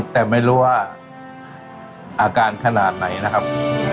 แต่ไม่รู้ว่าอาการขนาดไหนนะครับ